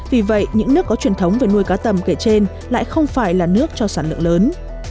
vì vậy những nước có truyền thống về nuôi cá tầm kể trên lại không phải là nước cho sản lượng lớn